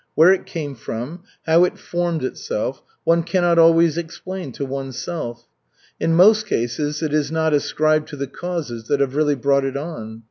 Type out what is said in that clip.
Where it came from, how it formed itself one cannot always explain to oneself. In most cases it is not ascribed to the causes that have really brought it on.